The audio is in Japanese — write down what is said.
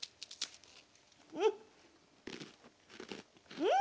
うん！